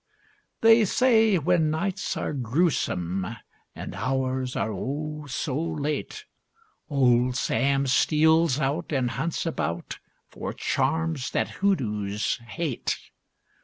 _ They say when nights are grewsome And hours are, oh! so late, Old Sam steals out And hunts about For charms that hoodoos hate!